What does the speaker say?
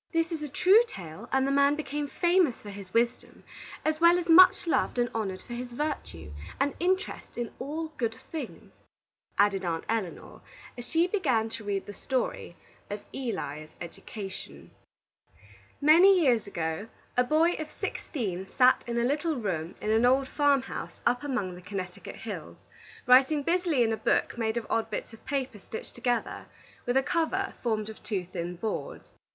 "This is a true tale, and the man became famous for his wisdom, as well as much loved and honored for his virtue, and interest in all good things," added Aunt Elinor, as she began to read the story of ELI'S EDUCATION. Many years ago, a boy of sixteen sat in a little room in an old farm house up among the Connecticut hills, writing busily in a book made of odd bits of paper stitched together, with a cover formed of two thin boards.